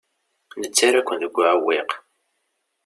Nettarra-ken deg uɛewwiq.